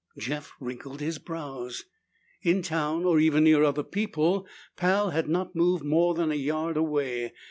Jeff wrinkled his brows. In town, or even near other people, Pal had not moved more than a yard away.